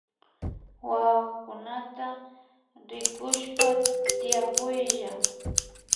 Wawakunata rikushpa tiakuylla